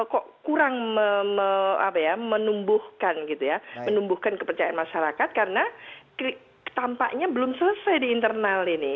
kok kurang menumbuhkan kepercayaan masyarakat karena tampaknya belum selesai di internal ini